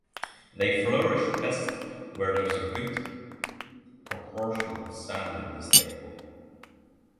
They flourish best where there is a good proportion of sand in the staple.